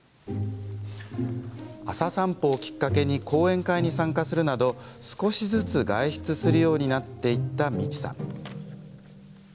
朝散歩をきっかけに講演会に参加するなど少しずつ外出するようになっていた、みちさん。